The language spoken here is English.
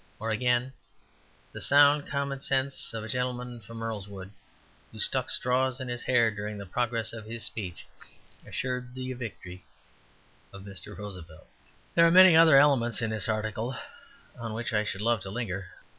Or again, "The sound common sense of a gentleman from Earlswood, who stuck straws in his hair during the progress of his speech, assured the victory of Mr. Roosevelt." There are many other elements in this article on which I should love to linger.